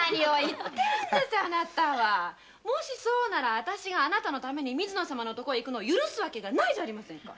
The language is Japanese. もしそうなら私があなたのために水野様の所へ行くのを許す訳ないじゃありませんか！